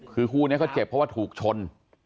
คือคู่นี้เขาเจ็บเพราะว่าถูกชน